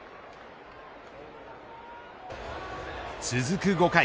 続く５回。